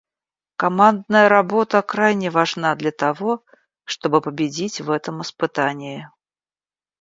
Командная работа крайне важна для того, чтобы победить в этом испытании.